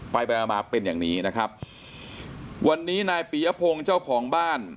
ไปไปมามาเป็นอย่างนี้นะครับวันนี้นายปียพงศ์เจ้าของบ้าน